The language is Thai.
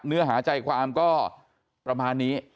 เนื้อหาใจความก็ประมาณนี้